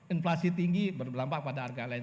inflasi tinggi berdampak pada harga lain